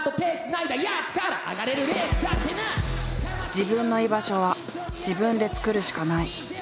自分の居場所は自分で作るしかない。